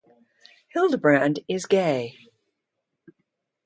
Hildebrand is gay.